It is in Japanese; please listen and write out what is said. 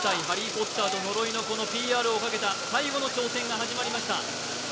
「ハリー・ポッターと呪いの子」のＰＲをかけた最後の挑戦が始まりました。